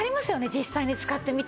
実際に使ってみて。